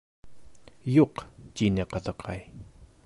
—Юҡ, —тине ҡыҙыҡай.